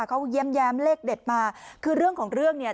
เขาแย้มเลขเด็ดมาคือเรื่องของเรื่องเนี่ย